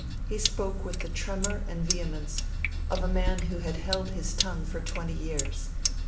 He spoke with the tremor and vehemence of a man who had held his tongue for twenty years.